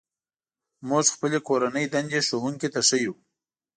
موږ خپلې کورنۍ دندې ښوونکي ته ښيو.